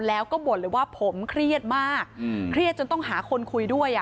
แล้วก็บ่นเลยว่าผมเครียดมากเครียดจนต้องหาคนคุยด้วย